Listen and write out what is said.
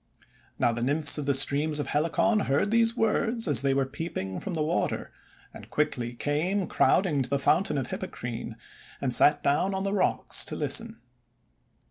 Now the Nymphs of the streams of Helicon heard these words as they were peeping from the water, and quickly came crowding to the Fountain of Hippocrene and sat down on the rocks to listen.